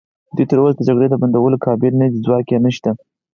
دوی تراوسه د جګړې د بندولو قابل نه دي، ځواک یې نشته.